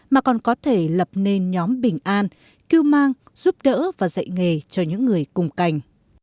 mà còn có thể lập nên nhóm bình an cưu mang giúp đỡ và dạy nghề cho những người cùng cảnh